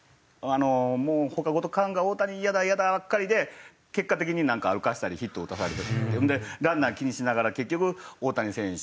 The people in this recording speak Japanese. もう他ごと大谷イヤだイヤだばっかりで結果的に歩かせたりヒット打たされたりっていうのでランナー気にしながら結局大谷選手。